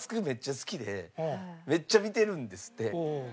めっちゃ好きでめっちゃ見てるんですって。